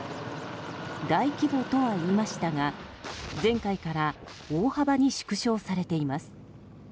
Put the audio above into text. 大規模とは言いましたが前回から大幅に縮小されています。